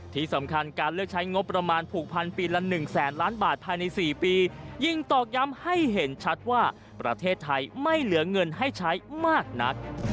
ที่สำคัญการเลือกใช้งบประมาณผูกพันปีละ๑แสนล้านบาทภายใน๔ปียิ่งตอกย้ำให้เห็นชัดว่าประเทศไทยไม่เหลือเงินให้ใช้มากนัก